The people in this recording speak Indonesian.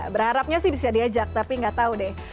berharapnya sih bisa diajak tapi nggak tahu deh